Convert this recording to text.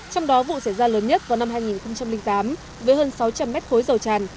trong đó vụ xảy ra lớn nhất vào năm hai nghìn tám với hơn sáu trăm linh mét khối dầu tràn